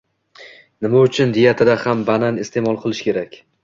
Nima uchun diyetada ham banan iste’mol qilish kerak?